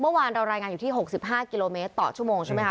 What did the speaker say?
เมื่อวานเรารายงานอยู่ที่๖๕กิโลเมตรต่อชั่วโมงใช่ไหมค